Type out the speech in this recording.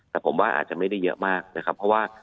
แต่ผมว่าอาจจะไม่ได้เยอะมากนะครับเพราะว่า